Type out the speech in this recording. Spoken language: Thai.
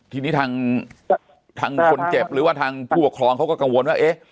ทีนี้ทางคนเจ็บหรือว่าทางผู้ปกครองเขาก็กังวลว่าเอ๊ะ